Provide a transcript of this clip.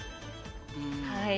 はい。